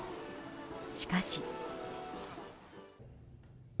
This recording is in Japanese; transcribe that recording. しかし。